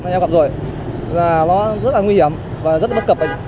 là em gặp rồi là nó rất là nguy hiểm và rất là bất cập